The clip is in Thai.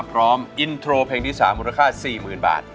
พร้อมอินโทรเพลงที่๓มูลค่า๔๐๐๐บาท